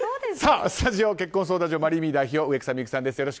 さあ、スタジオ結婚相談所マリーミー代表植草美幸さんです。